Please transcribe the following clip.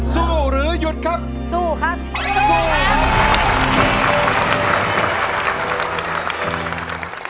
สู้หรือหยุดครับสู้ครับ